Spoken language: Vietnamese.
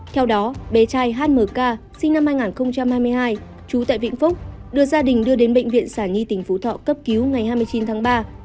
theo đó bé trai h m k sinh năm hai nghìn hai mươi hai trú tại vĩnh phúc được gia đình đưa đến bệnh viện sản nhi tỉnh phú thọ cấp cứu ngày hai mươi chín ba